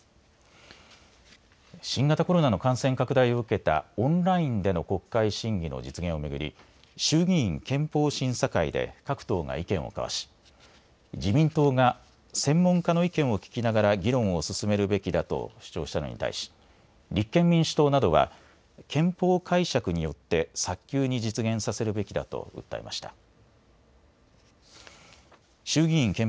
新型コロナの感染拡大を受けたオンラインでの国会審議の実現を巡り、衆議院憲法審査会で各党が意見を交わし自民党が専門家の意見を聞きながら議論を進めるべきだと主張したのに対し、立憲民主党などは憲法解釈によって早急に実現させるべきだと訴えました。